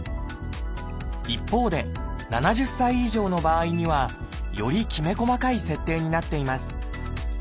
一方で７０歳以上の場合にはよりきめ細かい設定になっています